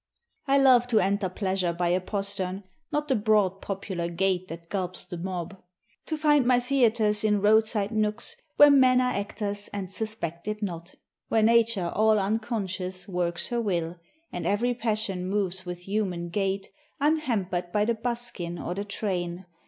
I love to enter pleasure by a postern, Not the broad popular gate that gulps the mob ; UNDER THE WILLOWS. 23 To find my theatres in roadside nooks, Where men are actors, and suspect it not ; Where Nature all unconscious works her will, And every passion moves with human gait, Unhampered by the buskin or the train.